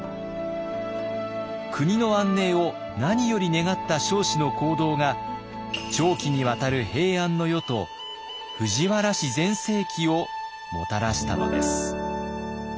国の安寧を何より願った彰子の行動が長期にわたる平安の世と藤原氏全盛期をもたらしたのです。